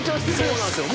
「そうなんですよ」